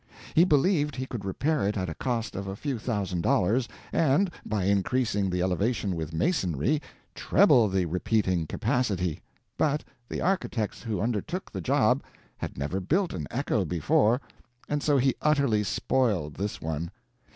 He believed he could repair it at a cost of a few thousand dollars, and, by increasing the elevation with masonry, treble the repeating capacity; but the architect who undertook the job had never built an echo before, and so he utterly spoiled this one.